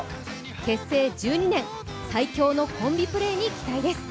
結成１２年、最強のコンビプレーに期待です。